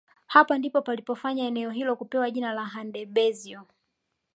Hapa ndipo palipofanya eneo hilo kupewa jina la Handebezyo